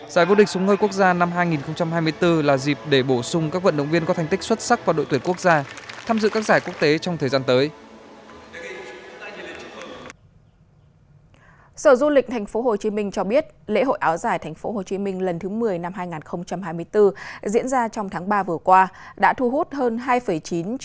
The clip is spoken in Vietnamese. giải vô địch súng hơi quốc gia năm hai nghìn hai mươi bốn là dịp để bổ sung các vận động viên có thành tích xuất sắc vào đội tuyển quốc gia tham dự các giải quốc tế trong thời gian tới